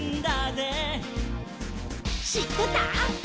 「しってた？」